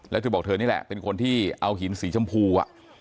แล้วเธอบอกเธอนี่แหละเป็นคนที่เอาหินสีชมพู